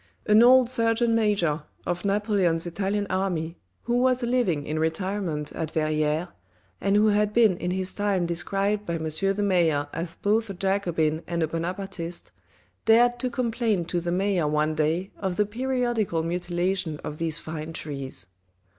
An old Surgeon Major of Napoleon's Italian Army, who was living in retirement at Verrieres, and who had been in his time described by M. the mayor as both a Jacobin and a Bonapartiste, dared to complain to the mayor one day of the periodical mutilation of these fine trees.